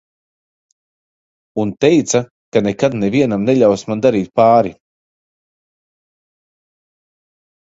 Un teica, ka nekad nevienam neļaus man darīt pāri.